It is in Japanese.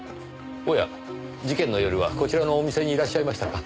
おや事件の夜はこちらのお店にいらっしゃいましたか。